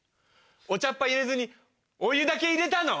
お茶っ葉入れずにお湯だけ入れたの？